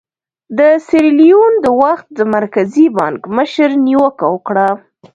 د سیریلیون د وخت د مرکزي بانک مشر نیوکه وکړه.